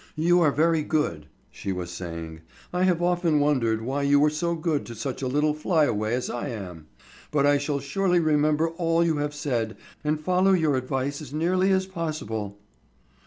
"You are very good," she was saying. "I have often wondered why you were so good to such a little flyaway as I am. But I shall surely remember all you have said and follow your advice as nearly as possible."